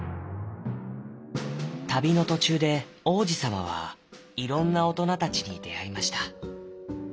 たびのとちゅうで王子さまはいろんなおとなたちにであいました。